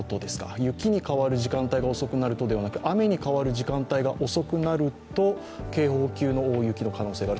雪に変わる時間帯が遅くなるとではなく、雨に変わる時間帯が遅くなると警報級の大雪の可能性がある。